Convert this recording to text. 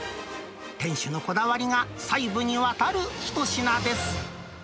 店主のこだわりが細部にわたる一品です。